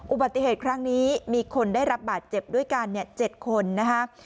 อุบัติเหตุครั้งนี้มีคนได้รับบาดเจ็บด้วยกัน๗คนนะคะ